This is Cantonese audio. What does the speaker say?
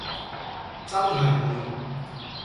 真係冇用